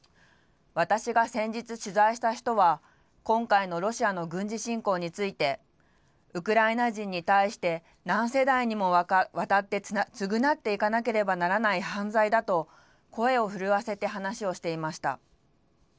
私が先日取材した人は、今回のロシアの軍事侵攻について、ウクライナ人に対して、何世代にもわたって償っていかなければいけない犯罪だと、声を震わせて話をしていました。